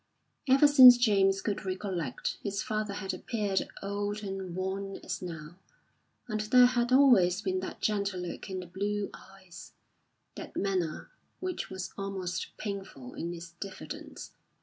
Ever since James could recollect his father had appeared old and worn as now; and there had always been that gentle look in the blue eyes, that manner which was almost painful in its diffidence.